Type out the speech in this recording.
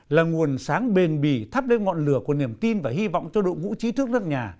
là nguồn sáng bền bì thắp lên ngọn lửa của niềm tin và hy vọng cho đội ngũ trí thức nước nhà